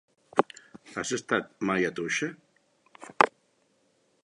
Has estat mai a Toixa?